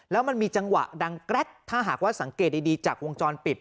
แล้วมันมีจังหวะดังแกรกถ้าหากว่าสังเกตดีจากวงจรปิด